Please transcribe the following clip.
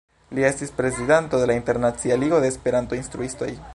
Li estis prezidanto de la Internacia Ligo de Esperanto-Instruistoj.